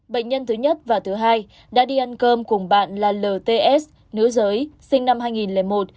bệnh nhân thứ nhất và thứ hai đã đi ăn cơm cùng bạn là lts nữ giới sinh năm hai nghìn một